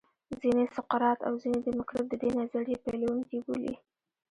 ځینې سقرات او ځینې دیموکریت د دې نظریې پیلوونکي بولي